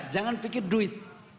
jangan pikir duit